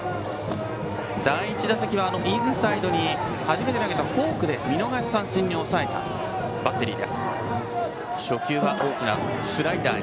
第１打席はインサイドに初めて投げたフォークで見逃し三振に抑えたバッテリー。